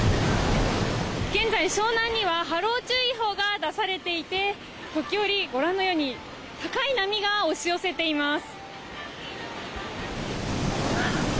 現在、湘南には波浪注意報が出されていて時折、高い波が押し寄せています。